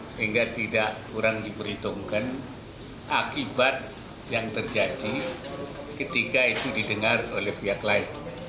sehingga tidak kurang diperhitungkan akibat yang terjadi ketika itu didengar oleh pihak lain